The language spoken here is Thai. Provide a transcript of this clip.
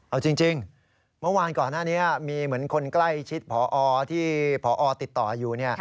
เอาจริงเมื่อวานก่อนหน้านี้มีเหมือนคนใกล้ชิดพอที่พอติดต่ออยู่